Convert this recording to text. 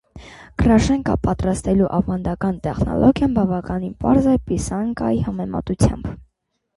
Կրաշենկա պատրաստելու ավանդական տեխնոլոգիան բավականին պարզ է պիսանկայի համեմատությամբ։